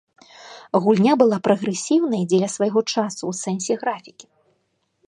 Гульня была прагрэсіўнай дзеля свайго часу ў сэнсе графікі.